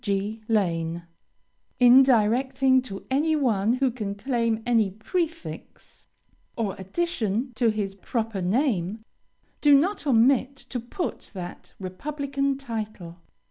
G. Lane. In directing to any one who can claim any prefix, or addition, to his proper name do not omit to put that "republican title."